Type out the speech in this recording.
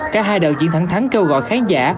cả hai đạo diễn thẳng thắng kêu gọi khán giả